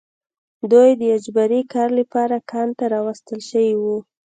دوی د اجباري کار لپاره کان ته راوستل شوي وو